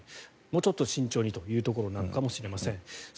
もうちょっと慎重にというところなのかもしれません。